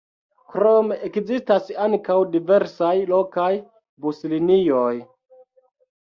Krome ekzistas ankaŭ diversaj lokaj buslinioj.